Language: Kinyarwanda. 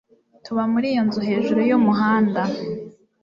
Tuba muri iyo nzu hejuru yumuhanda.